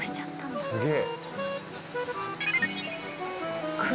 すげえ。